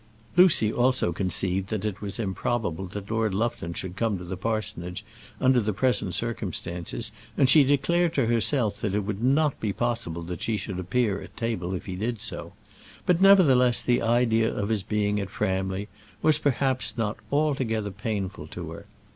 Lucy also conceived that it was improbable that Lord Lufton should come to the parsonage under the present circumstances; and she declared to herself that it would not be possible that she should appear at table if he did do so; but, nevertheless, the idea of his being at Framley was, perhaps, not altogether painful to her.